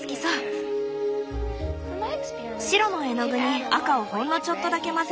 白の絵の具に赤をほんのちょっとだけ混ぜるとこのピンク。